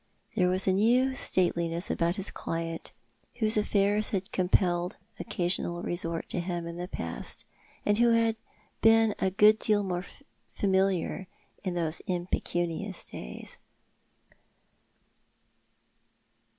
There was a new stateliness about his client, whose aff; xirs had compelled occasional resort to him in the past, and who had been a good deal more familiar in those impecunious days.